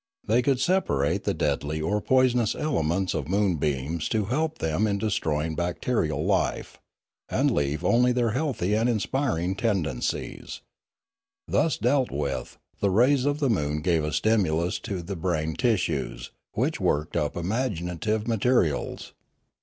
They could separate the deadly or poisonous elements of moonbeams to help them in destroying bacterial life, and leave only their healthy and inspiring tendencies; My Education Continued 279 thus dealt with, the rays of the moon gave a stimulus to the brain tissues which worked up imaginative ma terials.